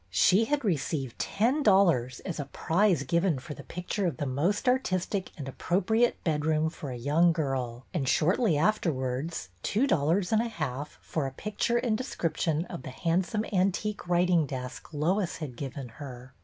She had received ten dollars as a prize given for the picture of the most artistic and appropriate bedroom for a young girl, and shortly afterwards two dollars and a half for a picture and description of the handsome antique writing desk Lois had given her.